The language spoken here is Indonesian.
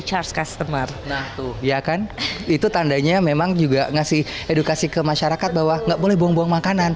charge customer itu tandanya memang juga ngasih edukasi ke masyarakat bahwa nggak boleh buang buang